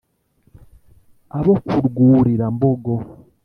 abo ku rwurira-mbogo